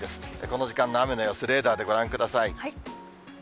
この時間の雨の様子、レーダーでご覧ください。